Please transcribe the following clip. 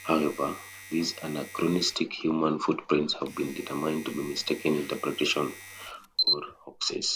However, these anachronistic "human" footprints have been determined to be mistaken interpretation or hoaxes.